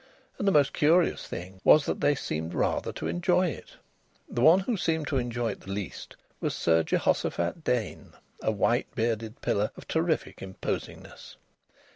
And the most curious thing was that they seemed rather to enjoy it. The one who seemed to enjoy it the least was Sir Jehoshophat Dain, a white bearded pillar of terrific imposingness.